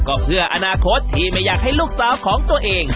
ก็เพื่ออนาคตที่ไม่อยากให้ลูกสาวของตัวเอง